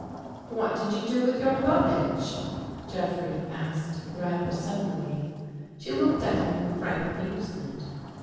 " What did you do with your luggage? " Jeffrey asked rather suddenly. She looked at him in frank amusement.